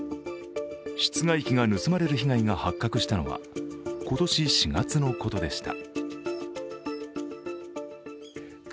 室外機が盗まれる被害が発覚したのは今年４月のことでした。